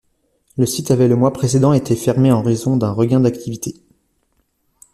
Le site avait le mois précédent été fermé en raison d'un regain d'activité.